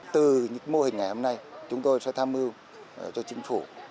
từ những mô hình ngày hôm nay chúng tôi sẽ tham mưu cho chính phủ